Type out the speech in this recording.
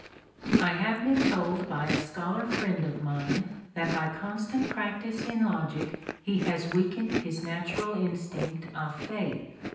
I have been told by a scholar friend of mine that by constant practice in logic he has weakened his natural instinct of faith.